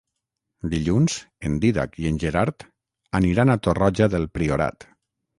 Dilluns en Dídac i en Gerard aniran a Torroja del Priorat.